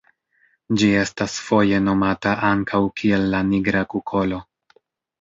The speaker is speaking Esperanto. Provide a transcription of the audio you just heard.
Ĝi estas foje nomata ankaŭ kiel la nigra kukolo.